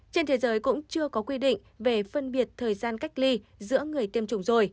trên thế giới cũng chưa có quy định về phân biệt thời gian cách ly giữa người tiêm chủng rồi